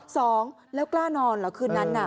สองแล้วกล้านอนเหรอคืนนั้นน่ะ